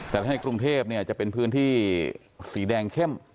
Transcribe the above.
แต่ถ้าในกรุงเทพจะเป็นพื้นที่สีแดงเข้ม